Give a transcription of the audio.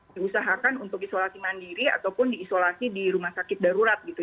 diusahakan untuk isolasi mandiri ataupun diisolasi di rumah sakit darurat gitu